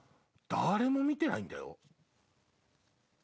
誰も見てないんだよ？